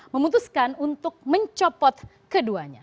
memutuskan untuk mencopot keduanya